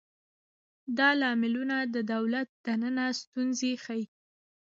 دا لاملونه د دولت دننه ستونزې ښيي.